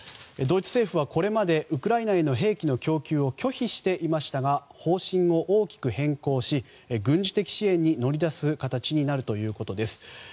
ドイツ政府はこれまでウクライナへの兵器の供給を拒否していましたが方針を多く変更し軍事的支援に乗り出す形になるということです。